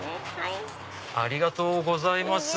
ありがとうございます。